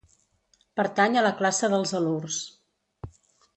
Pertany a la classe dels halurs.